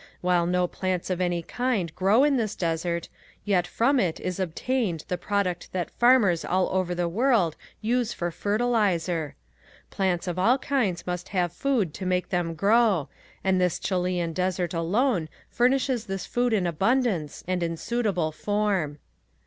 While no plants of any kind grow in this desert yet from it is obtained the product that farmers all over the world use for fertilizer. Plants of all kinds must have food to make them grow and this Chilean desert alone furnishes this food in abundance and in suitable form.